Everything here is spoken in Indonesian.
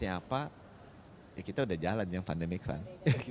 mau enggak formatnya apa ya kita udah jalan yang pandemik kan